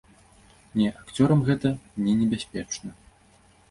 Не, акцёрам гэта не небяспечна.